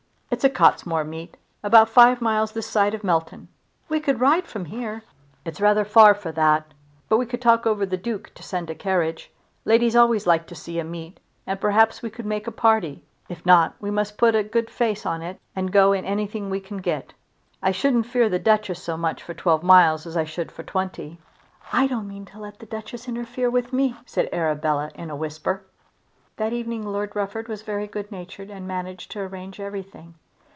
"It's a Cottesmore meet, about five miles this side of Melton." "We could ride from here." "It's rather far for that, but we could talk over the Duke to send a carriage. Ladies always like to see a meet, and perhaps we could make a party. If not we must put a good face on it and go in anything we can get. I shouldn't fear the Duchess so much for twelve miles as I should for twenty." "I don't mean to let the Duchess interfere with me," said Arabella in a whisper. That evening Lord Rufford was very good natured and managed to arrange everything.